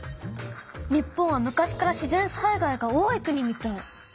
日本は昔から自然災害が多い国みたい。